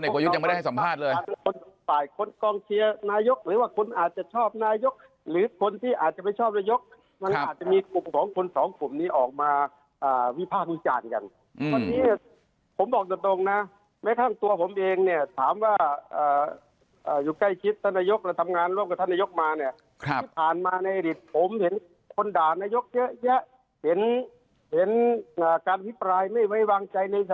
คนด่านายกเยอะเห็นการพิกลายไม่ไว้วางใจในส